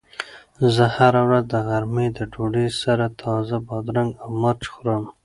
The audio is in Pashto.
زه هره ورځ د غرمې د ډوډۍ سره تازه بادرنګ او مرچ خورم.